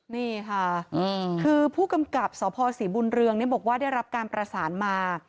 นี่ค่ะคือผู้กำกับสพศรีบุญเรืองบอกว่าได้รับการประสานมา